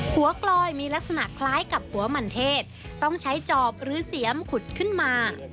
กลอยมีลักษณะคล้ายกับหัวหมั่นเทศต้องใช้จอบหรือเสียมขุดขึ้นมา